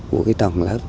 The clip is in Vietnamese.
của cái tầng lớp